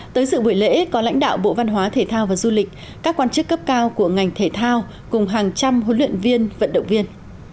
tới sự buổi lễ có lãnh đạo bộ văn hóa thể thao và du lịch các quan chức cấp cao của ngành thể thao cùng hàng trăm huấn luyện viên vận động viên